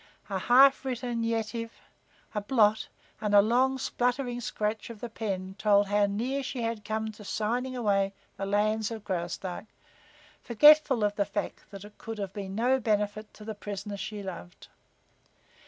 A half written Yetive, a blot and a long, spluttering scratch of the pen told how near she had come to signing away the lands of Graustark, forgetful of the fact that it could be of no benefit to the prisoner she loved.